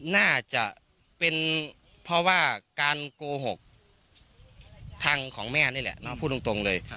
น่าจะเป็นเพราะว่าการโกหกทางของแม่นี่แหละน้องพูดตรงเลย